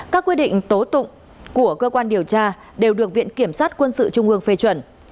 các quyết định tố tụng của cơ quan điều tra đều được viện kiểm sát quân sự trung ương phê chuẩn